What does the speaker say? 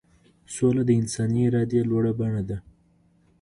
سوله د انساني ارادې لوړه بڼه ده.